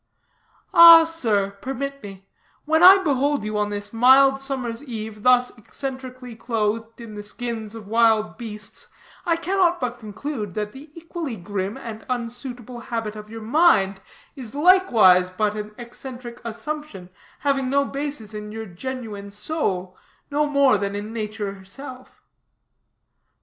"Ah, sir, permit me when I behold you on this mild summer's eve, thus eccentrically clothed in the skins of wild beasts, I cannot but conclude that the equally grim and unsuitable habit of your mind is likewise but an eccentric assumption, having no basis in your genuine soul, no more than in nature herself."